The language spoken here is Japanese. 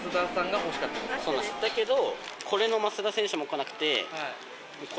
だけど。